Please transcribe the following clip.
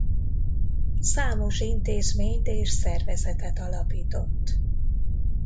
Számos intézményt és szervezetet alapított.